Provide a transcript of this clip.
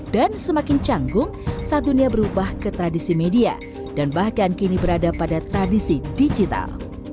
dan semakin canggung saat dunia berubah ke tradisi media dan bahkan kini berada pada tradisi digital